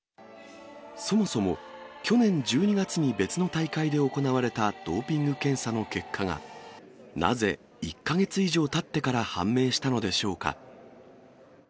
そもそも去年１２月に別の大会で行われたドーピング検査の結果が、なぜ１か月以上たってから判明したのでしょうか。